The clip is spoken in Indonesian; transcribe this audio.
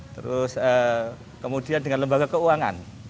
terus kemudian dengan lembaga keuangan